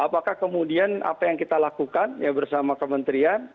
apakah kemudian apa yang kita lakukan ya bersama kementerian